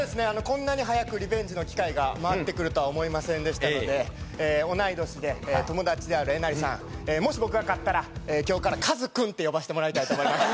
こんなに早くリベンジの機会が回ってくるとは思いませんでしたので同い年で友達であるえなりさん。って呼ばせてもらいたいと思います。